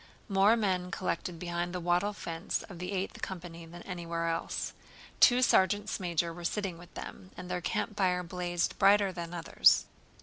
More men collected behind the wattle fence of the Eighth Company than anywhere else. Two sergeants major were sitting with them and their campfire blazed brighter than others.